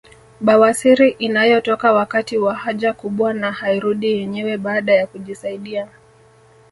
Bawasiri inayotoka wakati wa haja kubwa na hairudi yenyewe baada ya kujisaidia